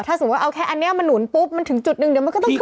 ถ้าสมมุติว่าเอาแค่อันนี้มันหนุนปุ๊บมันถึงจุดหนึ่งเดี๋ยวมันก็ต้องขึ้น